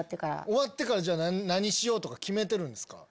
終わってから何しようとか決めてるんですか？